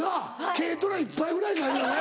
軽トラいっぱいぐらいなるよね。